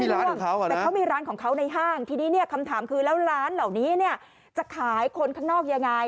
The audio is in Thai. แต่เขามีร้านของเขาในห้างทีนี้เนี่ยคำถามคือแล้วร้านเหล่านี้เนี่ยจะขายคนข้างนอกยังไง